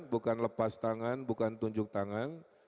bukan lepas tangan bukan tunjuk tangan